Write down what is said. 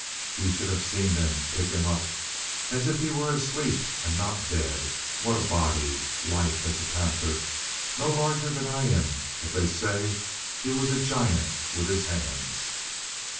You should have seen them pick him up as if he were asleep, and not dead. What a body! Lithe as a panther. No larger than I am, but they say he was a giant with his hands."